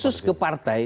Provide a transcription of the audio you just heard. khusus ke partai